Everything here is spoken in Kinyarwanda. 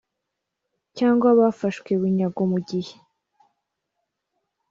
cyangwa bafashwe bunyago mu gihe